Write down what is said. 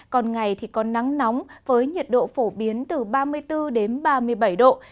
còn ngày thì có nắng nóng với nhiệt độ phổ biến từ ba mươi bốn đến ba mươi bảy độ